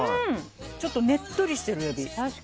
ちょっとねっとりしてるエビ。